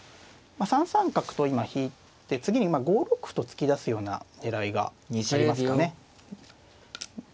３三角と今引いて次に５六歩と突き出すような狙いがありますかね。